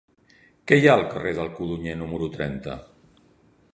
Què hi ha al carrer del Codonyer número trenta?